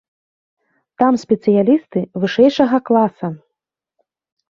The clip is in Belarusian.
Там спецыялісты вышэйшага класа.